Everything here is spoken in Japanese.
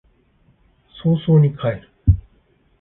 早々に帰る